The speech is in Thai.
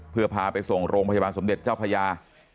เพื่อพาไปส่งโรงพยาบาลสมเด็จเจ้าพญา